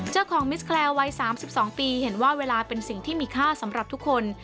เจ้าของมิสแคลร์วัย๓๒ปีเห็นว่าเวลาเป็นสิ่งที่มีค่าสำหรับทุกคน